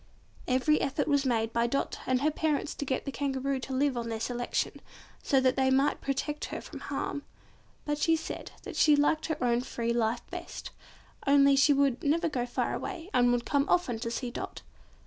Every effort was made by Dot and her parents to get the Kangaroo to live on their selection, so that they might protect her from harm. But she said that she liked her own free life best, only she would never go far away and would come often to see Dot.